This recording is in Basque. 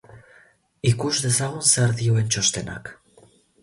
Ikus dezagun zer dioen txostenak.